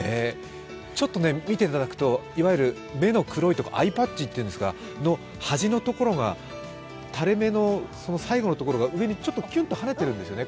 見ていただくと目の黒いところアイパッチというんですがその端のところが垂れ目の最後のところが上にキュッとはねているんですよね。